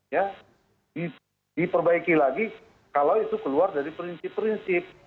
ya diperbaiki lagi kalau itu keluar dari prinsip prinsip